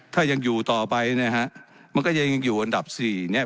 ถ้ายังอยู่ต่อไปเนี่ยฮะมันก็ยังอยู่อันดับสี่เนี่ย